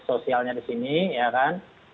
sosialnya di sini ya kan